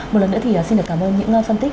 một lần nữa thì xin được cảm ơn những phân tích